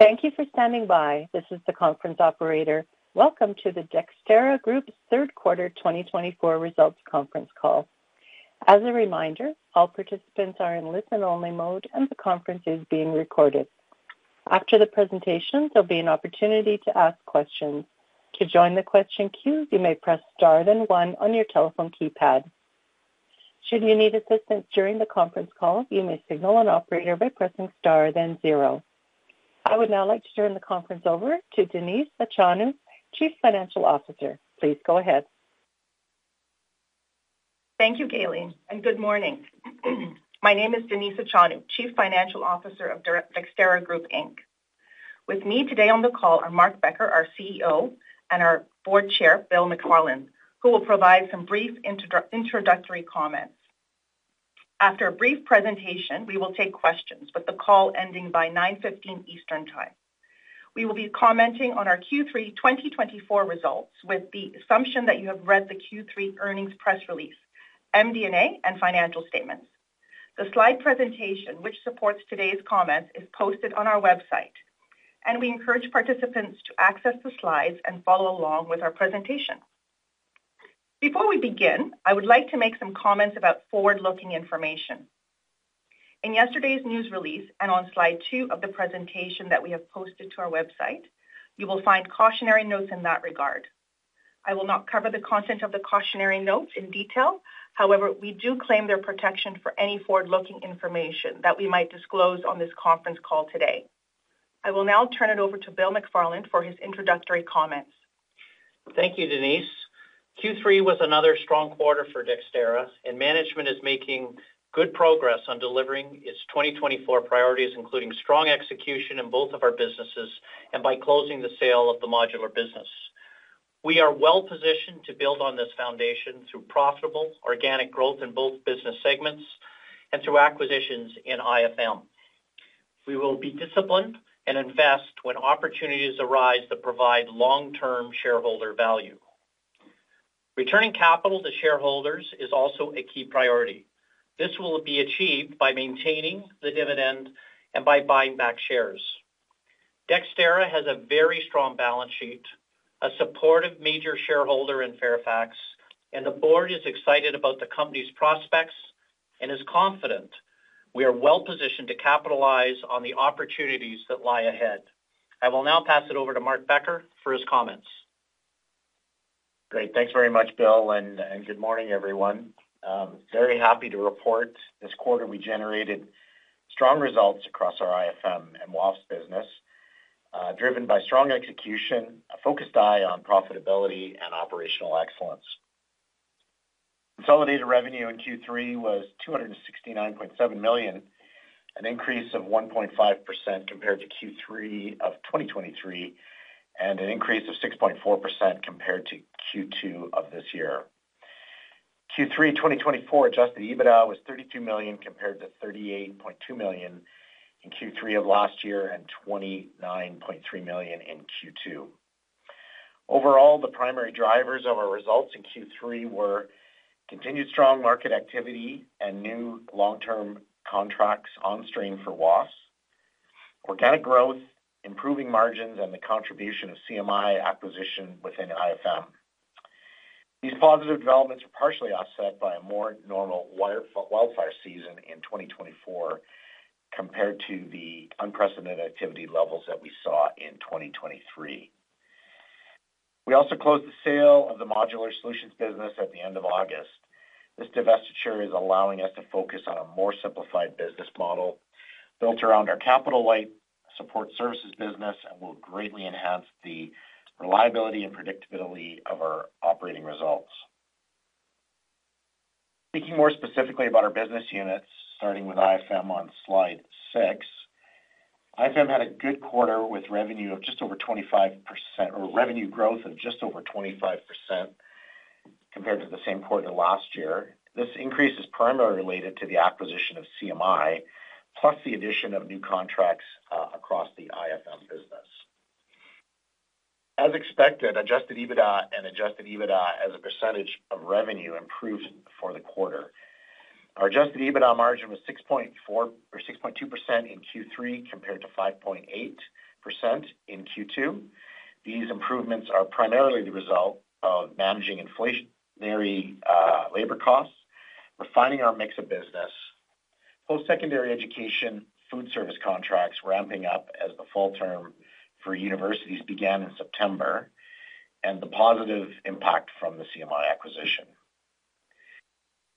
Thank you for standing by. This is the conference operator. Welcome to the Dexterra Group's third quarter 2024 results conference call. As a reminder, all participants are in listen-only mode, and the conference is being recorded. After the presentations, there'll be an opportunity to ask questions. To join the question queue, you may press star then one on your telephone keypad. Should you need assistance during the conference call, you may signal an operator by pressing star then zero. I would now like to turn the conference over to Denise Achonu, Chief Financial Officer. Please go ahead. Thank you, Gaylene, and good morning. My name is Denise Achonu, Chief Financial Officer of Dexterra Group Inc. With me today on the call are Mark Becker, our CEO, and our Board Chair, Bill McFarland, who will provide some brief introductory comments. After a brief presentation, we will take questions, with the call ending by 9:15 A.M. Eastern Time. We will be commenting on our Q3 2024 results with the assumption that you have read the Q3 earnings press release, MD&A, and financial statements. The slide presentation, which supports today's comments, is posted on our website, and we encourage participants to access the slides and follow along with our presentation. Before we begin, I would like to make some comments about forward-looking information. In yesterday's news release and on slide two of the presentation that we have posted to our website, you will find cautionary notes in that regard. I will not cover the content of the cautionary notes in detail. However, we do claim their protection for any forward-looking information that we might disclose on this conference call today. I will now turn it over to Bill McFarland for his introductory comments. Thank you, Denise. Q3 was another strong quarter for Dexterra, and management is making good progress on delivering its 2024 priorities, including strong execution in both of our businesses and by closing the sale of the modular business. We are well positioned to build on this foundation through profitable, organic growth in both business segments and through acquisitions in IFM. We will be disciplined and invest when opportunities arise that provide long-term shareholder value. Returning capital to shareholders is also a key priority. This will be achieved by maintaining the dividend and by buying back shares. Dexterra has a very strong balance sheet, a supportive major shareholder in Fairfax, and the board is excited about the company's prospects and is confident we are well positioned to capitalize on the opportunities that lie ahead. I will now pass it over to Mark Becker for his comments. Great. Thanks very much, Bill, and good morning, everyone. Very happy to report this quarter we generated strong results across our IFM and WAF business, driven by strong execution, a focused eye on profitability, and operational excellence. Consolidated revenue in Q3 was 269.7 million, an increase of 1.5% compared to Q3 of 2023, and an increase of 6.4% compared to Q2 of this year. Q3 2024 adjusted EBITDA was 32 million compared to 38.2 million in Q3 of last year and 29.3 million in Q2. Overall, the primary drivers of our results in Q3 were continued strong market activity and new long-term contracts on-stream for WAF, organic growth, improving margins, and the contribution of CMI acquisition within IFM. These positive developments were partially offset by a more normal wildfire season in 2024 compared to the unprecedented activity levels that we saw in 2023. We also closed the sale of the modular solutions business at the end of August. This divestiture is allowing us to focus on a more simplified business model built around our capital light support services business, and will greatly enhance the reliability and predictability of our operating results. Speaking more specifically about our business units, starting with IFM on slide six, IFM had a good quarter with revenue of just over 25% or revenue growth of just over 25% compared to the same quarter last year. This increase is primarily related to the acquisition of CMI, plus the addition of new contracts across the IFM business. As expected, adjusted EBITDA and adjusted EBITDA as a percentage of revenue improved for the quarter. Our adjusted EBITDA margin was 6.2% in Q3 compared to 5.8% in Q2. These improvements are primarily the result of managing inflationary labor costs, refining our mix of business, post-secondary education, food service contracts ramping up as the fall term for universities began in September, and the positive impact from the CMI acquisition.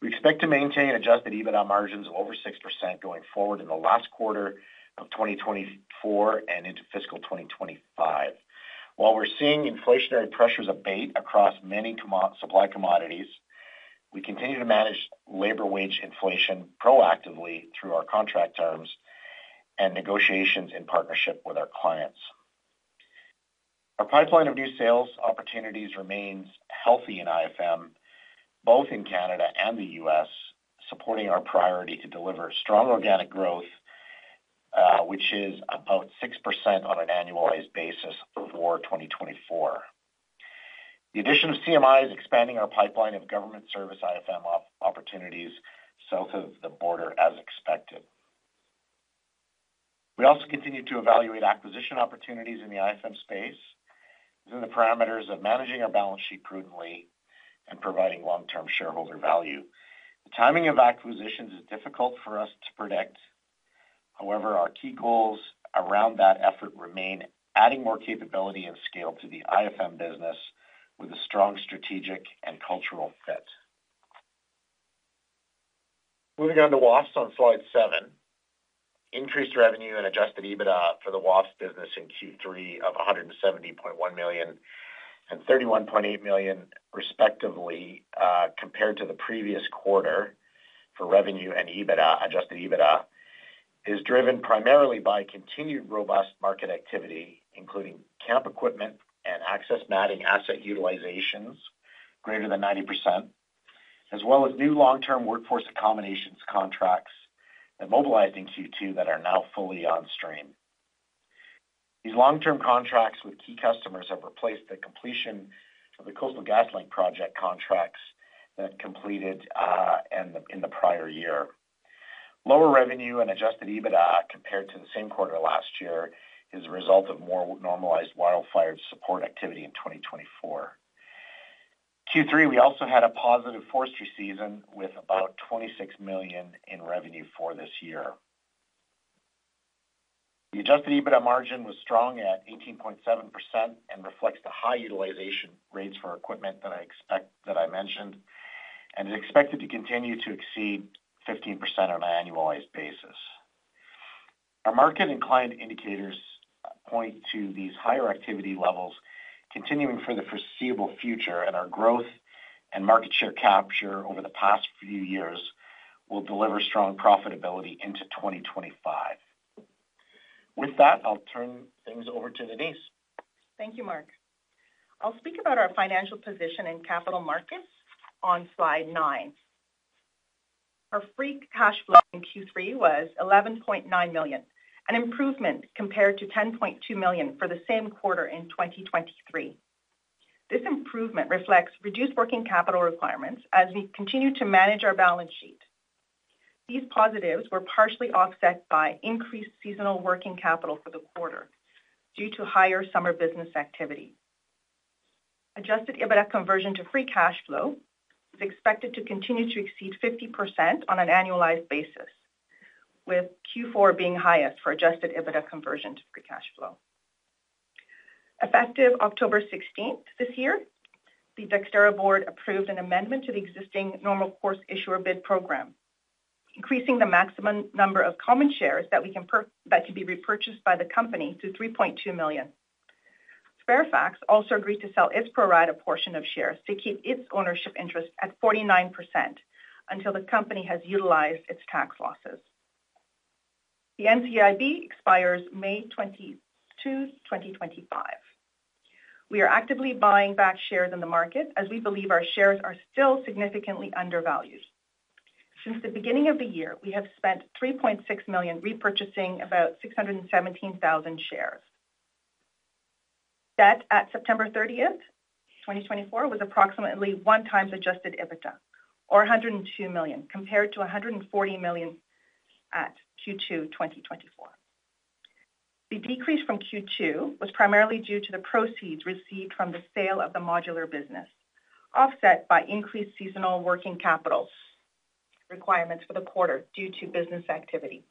We expect to maintain Adjusted EBITDA margins of over 6% going forward in the last quarter of 2024 and into fiscal 2025. While we're seeing inflationary pressures abate across many supply commodities, we continue to manage labor wage inflation proactively through our contract terms and negotiations in partnership with our clients. Our pipeline of new sales opportunities remains healthy in IFM, both in Canada and the U.S., supporting our priority to deliver strong organic growth, which is about 6% on an annualized basis for 2024. The addition of CMI is expanding our pipeline of government service IFM opportunities south of the border, as expected. We also continue to evaluate acquisition opportunities in the IFM space within the parameters of managing our balance sheet prudently and providing long-term shareholder value. The timing of acquisitions is difficult for us to predict. However, our key goals around that effort remain: adding more capability and scale to the IFM business with a strong strategic and cultural fit. Moving on to WAF on slide seven, increased revenue and Adjusted EBITDA for the WAF business in Q3 of 170.1 million and 31.8 million, respectively, compared to the previous quarter for revenue and Adjusted EBITDA is driven primarily by continued robust market activity, including camp equipment and access matting asset utilizations greater than 90%, as well as new long-term workforce accommodations contracts that mobilized in Q2 that are now fully on-stream. These long-term contracts with key customers have replaced the completion of the Coastal GasLink project contracts that completed in the prior year. Lower revenue and Adjusted EBITDA compared to the same quarter last year is a result of more normalized wildfire support activity in 2024. Q3, we also had a positive forestry season with about 26 million in revenue for this year. The Adjusted EBITDA margin was strong at 18.7% and reflects the high utilization rates for equipment that I mentioned, and is expected to continue to exceed 15% on an annualized basis. Our market-inclined indicators point to these higher activity levels continuing for the foreseeable future, and our growth and market share capture over the past few years will deliver strong profitability into 2025. With that, I'll turn things over to Denise. Thank you, Mark. I'll speak about our financial position in capital markets on slide nine. Our free cash flow in Q3 was 11.9 million, an improvement compared to 10.2 million for the same quarter in 2023. This improvement reflects reduced working capital requirements as we continue to manage our balance sheet. These positives were partially offset by increased seasonal working capital for the quarter due to higher summer business activity. Adjusted EBITDA conversion to free cash flow is expected to continue to exceed 50% on an annualized basis, with Q4 being highest for adjusted EBITDA conversion to free cash flow. Effective October 16th this year, the Dexterra Board approved an amendment to the existing normal course issuer bid program, increasing the maximum number of common shares that can be repurchased by the company to 3.2 million. Fairfax also agreed to sell its pro rata portion of shares to keep its ownership interest at 49% until the company has utilized its tax losses. The NCIB expires May 22, 2025. We are actively buying back shares in the market as we believe our shares are still significantly undervalued. Since the beginning of the year, we have spent 3.6 million repurchasing about 617,000 shares. Debt at September 30th, 2024, was approximately one times Adjusted EBITDA, or 102 million, compared to 140 million at Q2 2024. The decrease from Q2 was primarily due to the proceeds received from the sale of the modular business, offset by increased seasonal working capital requirements for the quarter due to business activity.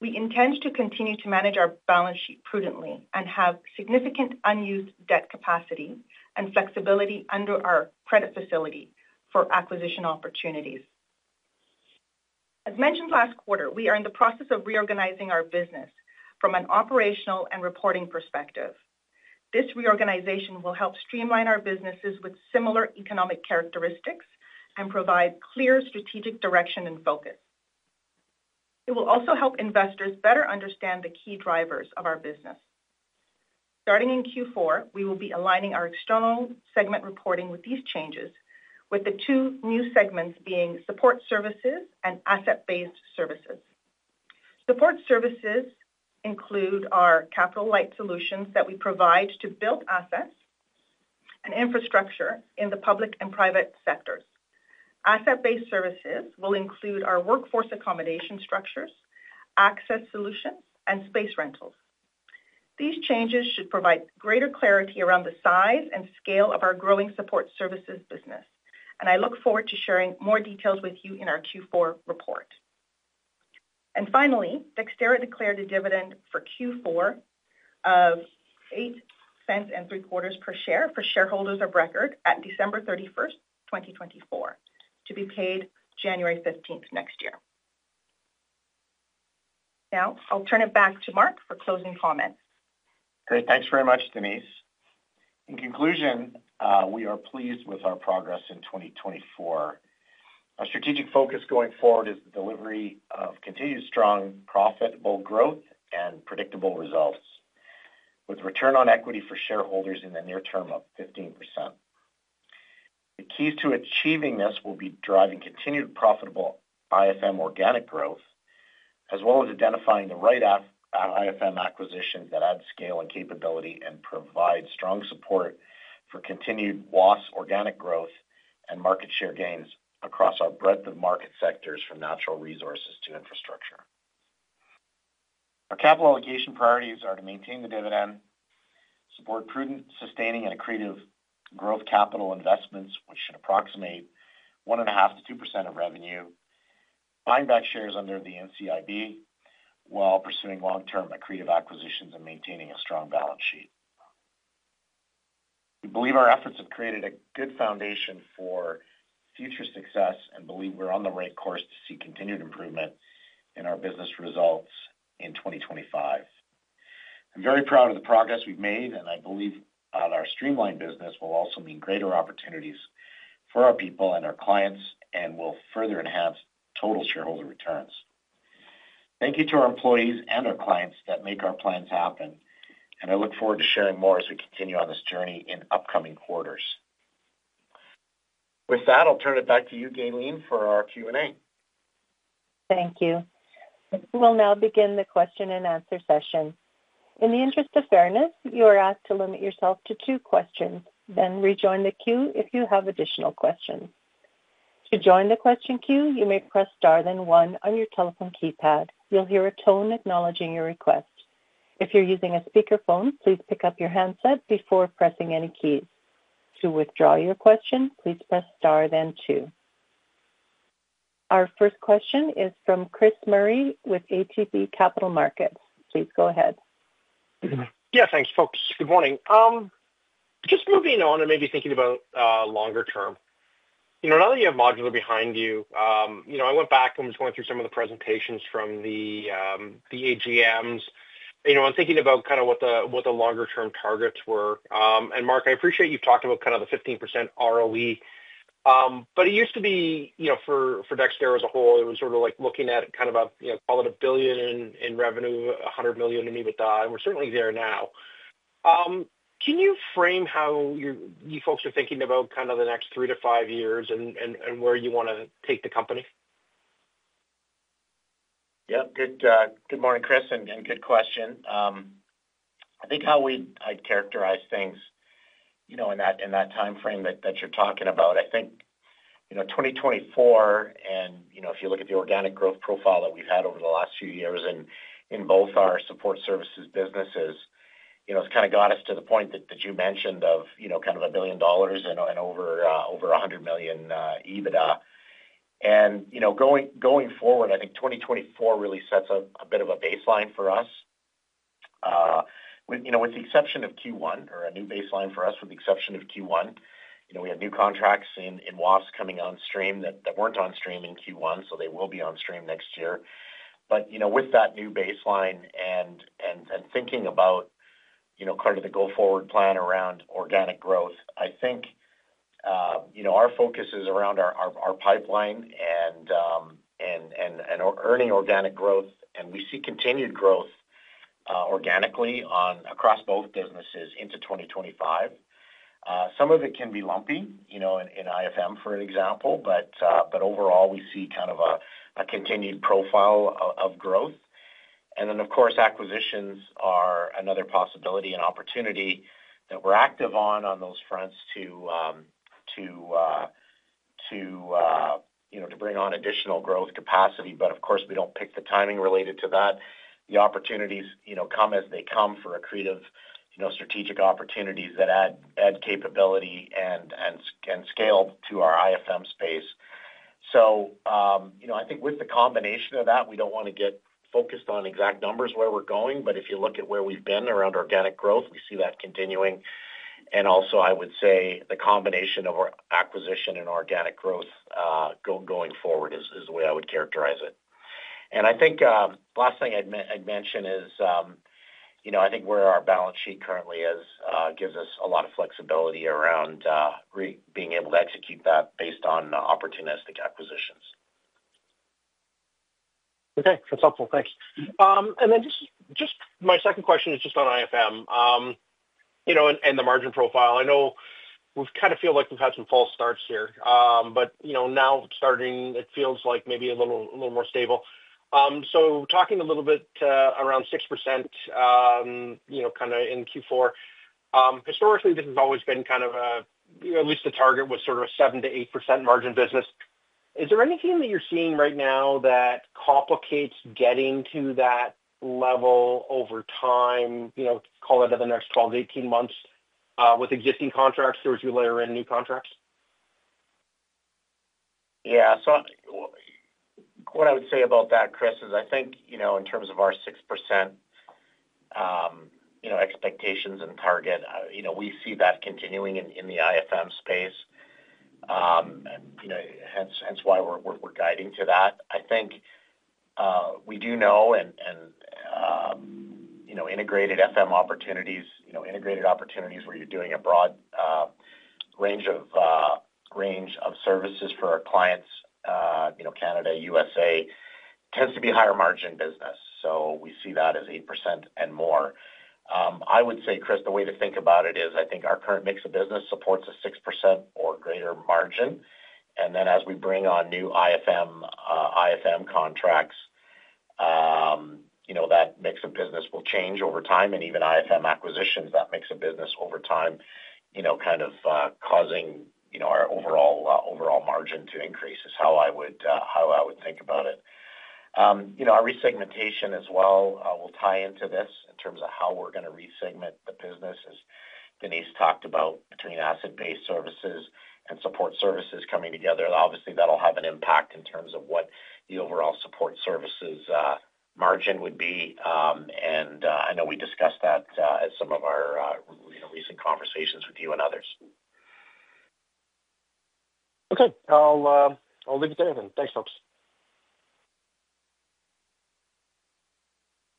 We intend to continue to manage our balance sheet prudently and have significant unused debt capacity and flexibility under our credit facility for acquisition opportunities. As mentioned last quarter, we are in the process of reorganizing our business from an operational and reporting perspective. This reorganization will help streamline our businesses with similar economic characteristics and provide clear strategic direction and focus. It will also help investors better understand the key drivers of our business. Starting in Q4, we will be aligning our external segment reporting with these changes, with the two new segments being support services and asset-based services. Support services include our capital-light solutions that we provide to built assets and infrastructure in the public and private sectors. Asset-based services will include our workforce accommodation structures, access solutions, and space rentals. These changes should provide greater clarity around the size and scale of our growing support services business, and I look forward to sharing more details with you in our Q4 report. Finally, Dexterra declared a dividend for Q4 of 0.0875 per share for shareholders of record at December 31st, 2024, to be paid January 15th next year. Now, I'll turn it back to Mark for closing comments. Great. Thanks very much, Denise. In conclusion, we are pleased with our progress in 2024. Our strategic focus going forward is the delivery of continued strong profitable growth and predictable results, with return on equity for shareholders in the near term of 15%. The keys to achieving this will be driving continued profitable IFM organic growth, as well as identifying the right IFM acquisitions that add scale and capability and provide strong support for continued WAF organic growth and market share gains across our breadth of market sectors, from natural resources to infrastructure. Our capital allocation priorities are to maintain the dividend, support prudent, sustaining, and accretive growth capital investments, which should approximate 1.5% to 2% of revenue, buying back shares under the NCIB while pursuing long-term accretive acquisitions and maintaining a strong balance sheet. We believe our efforts have created a good foundation for future success and believe we're on the right course to see continued improvement in our business results in 2025. I'm very proud of the progress we've made, and I believe our streamlined business will also mean greater opportunities for our people and our clients and will further enhance total shareholder returns. Thank you to our employees and our clients that make our plans happen, and I look forward to sharing more as we continue on this journey in upcoming quarters. With that, I'll turn it back to you, Gaylene, for our Q&A. Thank you. We'll now begin the question and answer session. In the interest of fairness, you are asked to limit yourself to two questions, then rejoin the queue if you have additional questions. To join the question queue, you may press star then one on your telephone keypad. You'll hear a tone acknowledging your request. If you're using a speakerphone, please pick up your handset before pressing any keys. To withdraw your question, please press star then two. Our first question is from Chris Murray with ATB Capital Markets. Please go ahead. Yeah, thanks, folks. Good morning. Just moving on and maybe thinking about longer term. Now that you have modular behind you, I went back and was going through some of the presentations from the AGMs. I'm thinking about kind of what the longer-term targets were. Mark, I appreciate you've talked about kind of the 15% ROE, but it used to be for Dexterra as a whole, it was sort of like looking at kind of a, call it a billion in revenue, 100 million in EBITDA, and we're certainly there now. Can you frame how you folks are thinking about kind of the next three to five years and where you want to take the company? Yeah. Good morning, Chris, and good question. I think how we'd characterize things in that timeframe that you're talking about, I think 2024, and if you look at the organic growth profile that we've had over the last few years in both our support services businesses, it's kind of got us to the point that you mentioned of kind of 1 billion dollars and over 100 million EBITDA. And going forward, I think 2024 really sets a bit of a baseline for us. With the exception of Q1, or a new baseline for us with the exception of Q1, we have new contracts in WAFES coming on stream that weren't on stream in Q1, so they will be on stream next year. With that new baseline and thinking about kind of the go-forward plan around organic growth, I think our focus is around our pipeline and earning organic growth, and we see continued growth organically across both businesses into 2025. Some of it can be lumpy in IFM, for example, but overall, we see kind of a continued profile of growth. Then, of course, acquisitions are another possibility and opportunity that we're active on those fronts to bring on additional growth capacity. Of course, we don't pick the timing related to that. The opportunities come as they come for accretive strategic opportunities that add capability and scale to our IFM space. I think with the combination of that, we don't want to get focused on exact numbers where we're going, but if you look at where we've been around organic growth, we see that continuing. Also, I would say the combination of acquisition and organic growth going forward is the way I would characterize it. I think the last thing I'd mention is I think where our balance sheet currently is gives us a lot of flexibility around being able to execute that based on opportunistic acquisitions. Okay. That's helpful. Thanks. And then just my second question is just on IFM and the margin profile. I know we kind of feel like we've had some false starts here, but now starting, it feels like maybe a little more stable. So talking a little bit around 6% kind of in Q4, historically, this has always been kind of at least the target was sort of a 7% to 8% margin business. Is there anything that you're seeing right now that complicates getting to that level over time, call it in the next 12 to 18 months with existing contracts or as you layer in new contracts? Yeah. So what I would say about that, Chris, is I think in terms of our 6% expectations and target, we see that continuing in the IFM space, and hence why we're guiding to that. I think we do know integrated IFM opportunities, integrated opportunities where you're doing a broad range of services for our clients, Canada, U.S.A., tends to be higher margin business. So we see that as 8% and more. I would say, Chris, the way to think about it is I think our current mix of business supports a 6% or greater margin. And then as we bring on new IFM contracts, that mix of business will change over time. And even IFM acquisitions, that mix of business over time kind of causing our overall margin to increase is how I would think about it. Our resegmentation as well will tie into this in terms of how we're going to resegment the business, as Denise talked about, between asset-based services and support services coming together. Obviously, that'll have an impact in terms of what the overall support services margin would be. And I know we discussed that as some of our recent conversations with you and others. Okay. I'll leave it there, and thanks, folks.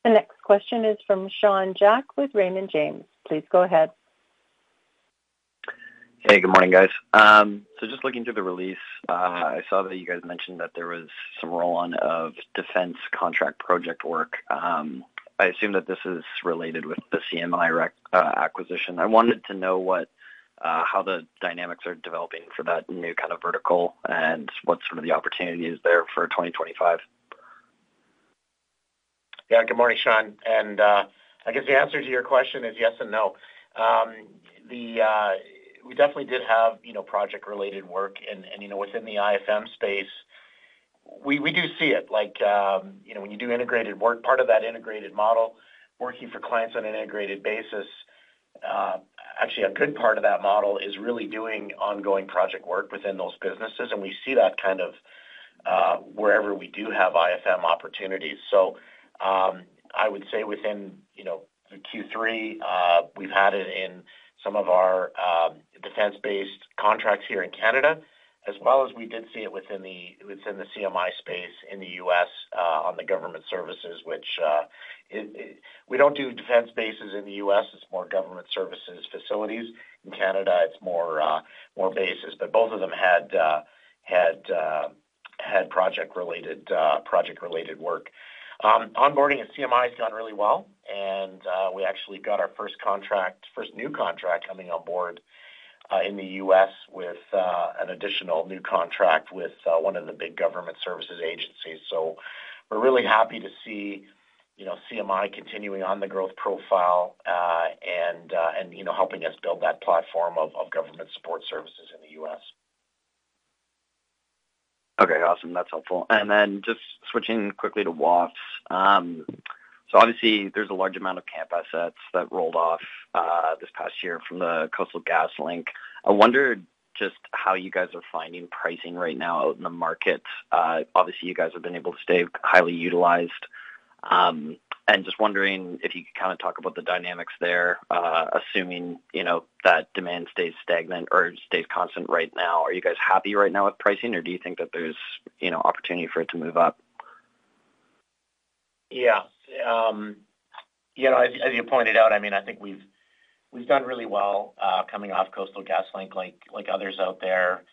The next question is from Sean Jack with Raymond James. Please go ahead. Hey, good morning, guys. So just looking through the release, I saw that you guys mentioned that there was some roll-on of defense contract project work. I assume that this is related with the CMI acquisition. I wanted to know how the dynamics are developing for that new kind of vertical and what some of the opportunities there for 2025? Yeah. Good morning, Sean. And I guess the answer to your question is yes and no. We definitely did have project-related work within the IFM space. We do see it. When you do integrated work, part of that integrated model, working for clients on an integrated basis, actually a good part of that model is really doing ongoing project work within those businesses. And we see that kind of wherever we do have IFM opportunities. So I would say within Q3, we've had it in some of our defense-based contracts here in Canada, as well as we did see it within the CMI space in the U.S. on the government services, which we don't do defense bases in the U.S. It's more government services facilities. In Canada, it's more bases. But both of them had project-related work. Onboarding at CMI has gone really well, and we actually got our first new contract coming on board in the U.S. with an additional new contract with one of the big government services agencies, so we're really happy to see CMI continuing on the growth profile and helping us build that platform of government support services in the U.S. Okay. Awesome. That's helpful, and then just switching quickly to WAFs. So obviously, there's a large amount of camp assets that rolled off this past year from the Coastal GasLink. I wonder just how you guys are finding pricing right now out in the market. Obviously, you guys have been able to stay highly utilized. And just wondering if you could kind of talk about the dynamics there, assuming that demand stays stagnant or stays constant right now. Are you guys happy right now with pricing, or do you think that there's opportunity for it to move up? Yeah. As you pointed out, I mean, I think we've done really well coming off Coastal GasLink like others out there.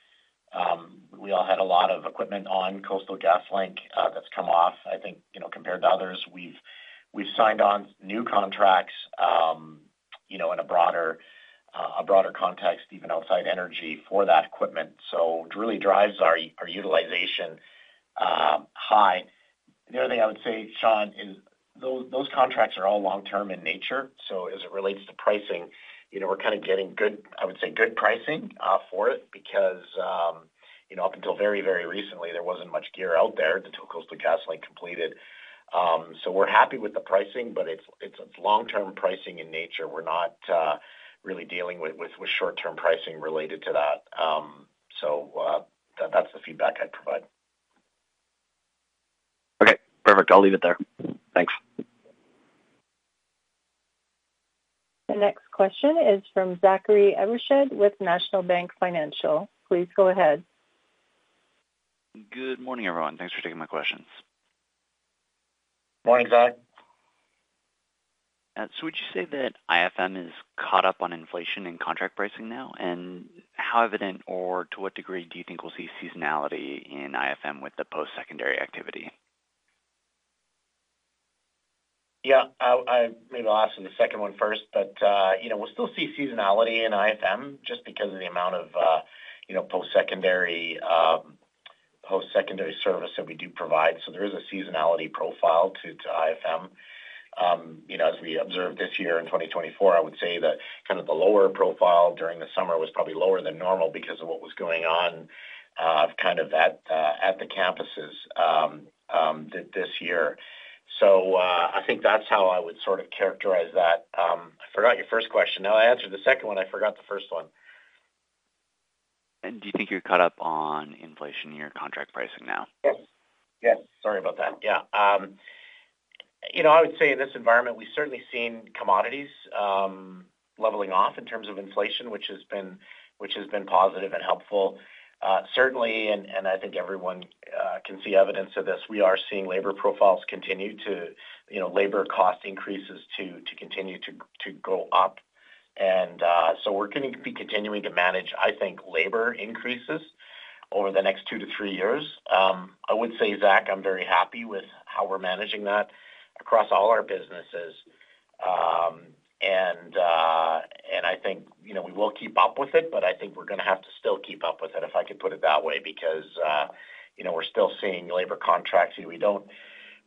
We all had a lot of equipment on Coastal GasLink that's come off. I think compared to others, we've signed on new contracts in a broader context, even outside energy for that equipment. So it really drives our utilization high. The other thing I would say, Sean, is those contracts are all long-term in nature. So as it relates to pricing, we're kind of getting, I would say, good pricing for it because up until very, very recently, there wasn't much gear out there until Coastal GasLink completed. So we're happy with the pricing, but it's long-term pricing in nature. We're not really dealing with short-term pricing related to that. So that's the feedback I'd provide. Okay. Perfect. I'll leave it there. Thanks. The next question is from Zachary Evershed with National Bank Financial. Please go ahead. Good morning, everyone. Thanks for taking my questions. Morning, Zach. Would you say that IFM is caught up on inflation in contract pricing now? And how evident or to what degree do you think we'll see seasonality in IFM with the post-secondary activity? Yeah. I'll ask the second one first, but we'll still see seasonality in IFM just because of the amount of post-secondary service that we do provide. So there is a seasonality profile to IFM. As we observed this year in 2024, I would say that kind of the lower profile during the summer was probably lower than normal because of what was going on kind of at the campuses this year. So I think that's how I would sort of characterize that. I forgot your first question. Now, I answered the second one. I forgot the first one. Do you think you're caught up on inflation in your contract pricing now? Yes. Yes. Sorry about that. Yeah. I would say in this environment, we've certainly seen commodities leveling off in terms of inflation, which has been positive and helpful. Certainly, and I think everyone can see evidence of this, we are seeing labor profiles continue to labor cost increases to continue to go up. And so we're going to be continuing to manage, I think, labor increases over the next two to three years. I would say, Zach, I'm very happy with how we're managing that across all our businesses. And I think we will keep up with it, but I think we're going to have to still keep up with it, if I could put it that way, because we're still seeing labor contracts.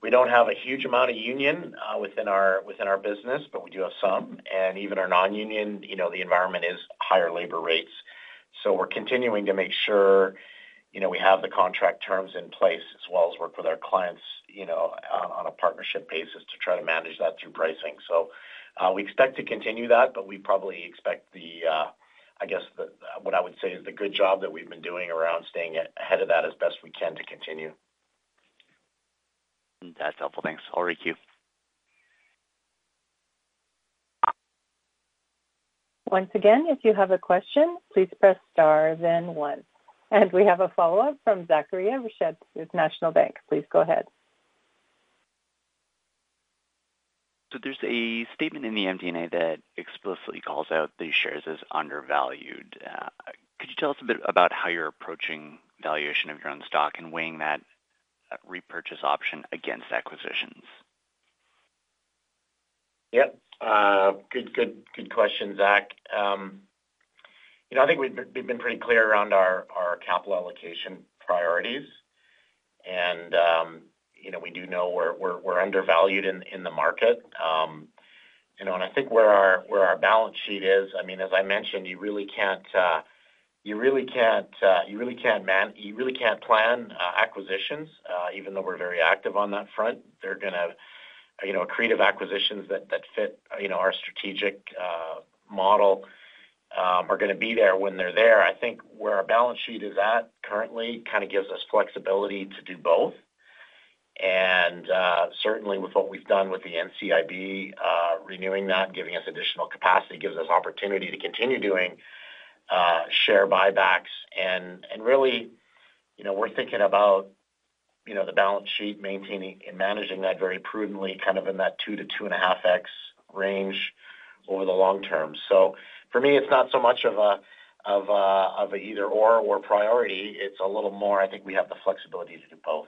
We don't have a huge amount of union within our business, but we do have some. And even our non-union, the environment is higher labor rates. We're continuing to make sure we have the contract terms in place as well as work with our clients on a partnership basis to try to manage that through pricing. We expect to continue that, but we probably expect the, I guess, what I would say is the good job that we've been doing around staying ahead of that as best we can to continue. That's helpful. Thanks. All right. You. Once again, if you have a question, please press star, then one. And we have a follow-up from Zachary Evershed with National Bank. Please go ahead. There's a statement in the MD&A that explicitly calls out that shares are undervalued. Could you tell us a bit about how you're approaching valuation of your own stock and weighing that repurchase option against acquisitions? Yep. Good question, Zach. I think we've been pretty clear around our capital allocation priorities, and we do know we're undervalued in the market, and I think where our balance sheet is, I mean, as I mentioned, you really can't plan acquisitions, even though we're very active on that front. They're going to be accretive acquisitions that fit our strategic model are going to be there when they're there. I think where our balance sheet is at currently kind of gives us flexibility to do both, and certainly, with what we've done with the NCIB, renewing that, giving us additional capacity, gives us opportunity to continue doing share buybacks, and really, we're thinking about the balance sheet maintaining and managing that very prudently, kind of in that 2x to 2.5x range over the long term, so for me, it's not so much of an either/or or priority. It's a little more, I think we have the flexibility to do both.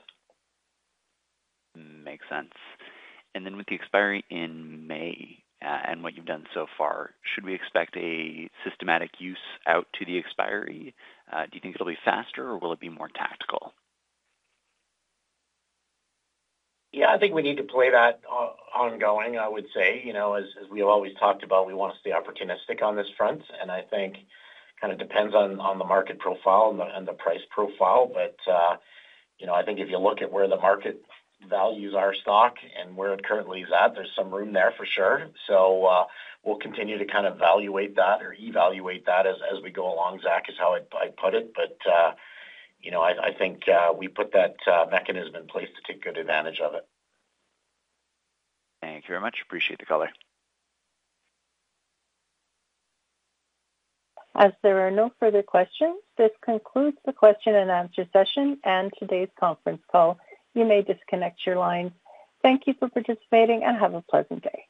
Makes sense. And then with the expiry in May and what you've done so far, should we expect a systematic use out to the expiry? Do you think it'll be faster, or will it be more tactical? Yeah. I think we need to play that ongoing, I would say. As we have always talked about, we want to stay opportunistic on this front. I think it kind of depends on the market profile and the price profile. If you look at where the market values our stock and where it currently is at, there's some room there for sure. We'll continue to kind of evaluate that as we go along, Zach. That's how I'd put it. I think we put that mechanism in place to take good advantage of it. Thank you very much. Appreciate the color. As there are no further questions, this concludes the question and answer session and today's conference call. You may disconnect your lines. Thank you for participating and have a pleasant day.